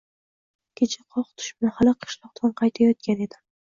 Kecha qoq tush mahali qishloqdan qaytayotgan edim